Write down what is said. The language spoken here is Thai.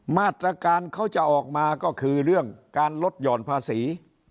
มาตรการเขาจะออกมาก็คือเรื่องการลดหย่อนภาษี